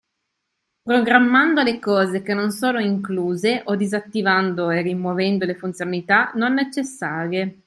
Programmando le cose che non sono incluse o disattivando e rimuovendo le funzionalità non necessarie.